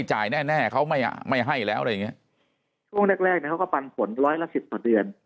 ช่วงแรกเขาก็ปันผลร้อยละ๑๐ต่อเดือน